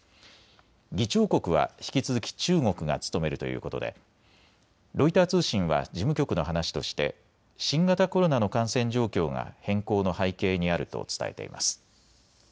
議長国は引き続き中国が務めるということでロイター通信は事務局の話として新型コロナの感染状況が変更の背景にあると伝えています。